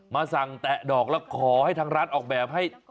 มาสั่งแตะดอกแล้วขอให้ทางร้านออกแบบให้